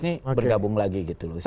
nih bergabung lagi gitu loh sih